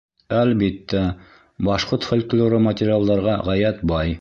Әлбиттә, башҡорт фольклоры материалдарға ғәйәт бай.